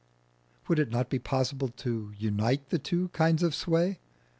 Would it not be possible to unite the two kinds of sway?